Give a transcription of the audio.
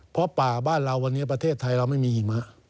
เพราะป่าบ้านเราวันนี้ประเทศไทยเราไม่มีหิมะ